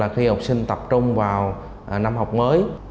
khi học sinh tập trung vào năm học mới